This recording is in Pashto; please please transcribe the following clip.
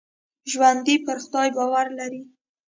ژوندي پر خدای باور لري